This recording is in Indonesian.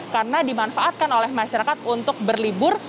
karena dimanfaatkan oleh masyarakat untuk berlibur